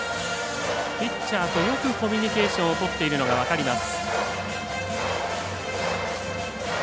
ピッチャーとよくコミュニケーションをとっているのが分かります。